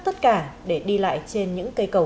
tất cả để đi lại trên những cây cầu